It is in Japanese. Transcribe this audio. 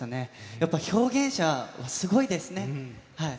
やっぱ表現者はすごいですね。